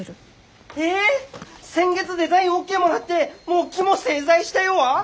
先月デザインオーケーもらってもう木も製材したよわ？